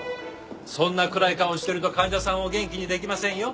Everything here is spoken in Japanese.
そんな暗い顔してると患者さんを元気にできませんよ。